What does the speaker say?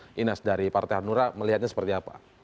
pak inas dari partai hanura melihatnya seperti apa